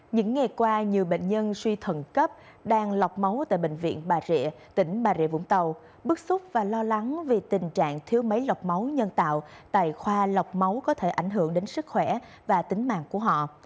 những ngày qua nhiều bệnh nhân suy thận cấp đang lọc máu tại bệnh viện bà rịa tỉnh bà rịa vũng tàu bức xúc và lo lắng vì tình trạng thiếu máy lọc máu nhân tạo tại khoa lọc máu có thể ảnh hưởng đến sức khỏe và tính mạng của họ